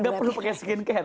gak perlu pakai skin care